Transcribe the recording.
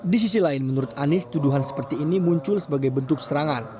di sisi lain menurut anies tuduhan seperti ini muncul sebagai bentuk serangan